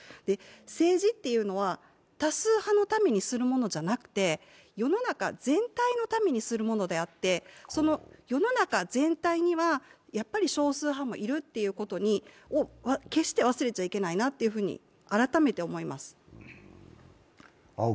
政治っていうのは、多数派のためにするものじゃなくて、世の中全体のためにするものであって世の中全体には少数派もいるということを決して忘れちゃいけないなというふうに改めて思います。